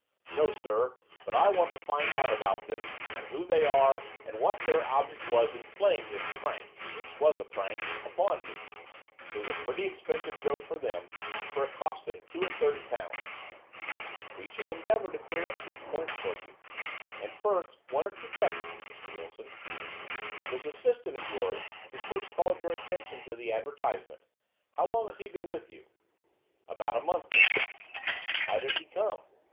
"No, sir. But I want to find out about them, and who they are, and what their object was in playing this prank—if it was a prank—upon me. It was a pretty expensive joke for them, for it cost them two and thirty pounds." "We shall endeavour to clear up these points for you. And, first, one or two questions, Mr. Wilson. This assistant of yours who first called your attention to the advertisement—how long had he been with you?" "About a month then." "How did he come?"